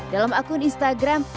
dalam akun instagram